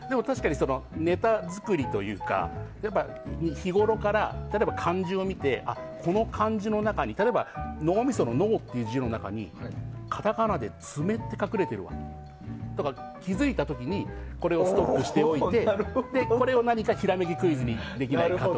ネタ作りというか日ごろから漢字を見てこの漢字の中に例えば脳みその「脳」という字の中にカタカナで「ツメ」って隠れていると気づいた時にストックしておいて、これを何かひらめきクイズにできないかと。